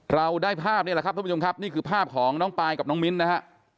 เราได้ภาพนี่แหละครับท่านผู้ชมครับนี่คือภาพของน้องปายกับน้องมิ้นนะฮะ